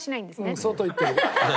うん相当言ってる。